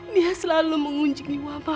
dia selalu mengunjungi mama